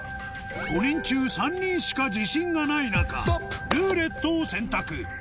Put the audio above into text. ５人中３人しか自信がない中「ルーレット」を選択